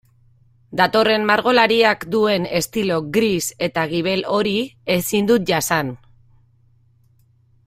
Datorren margolariak duen estilo gris eta gibel hori ezin dut jasan.